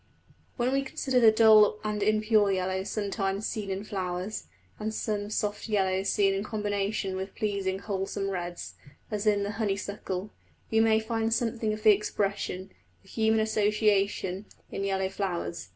When we consider the dull and impure yellows sometimes seen in flowers, and some soft yellows seen in combination with pleasing wholesome reds, as in the honeysuckle, we may find something of the expression the human association in yellow flowers.